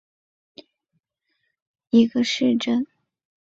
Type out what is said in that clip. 拉波滕施泰因是奥地利下奥地利州茨韦特尔县的一个市镇。